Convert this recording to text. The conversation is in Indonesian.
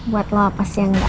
buat lo apa sih yang enggak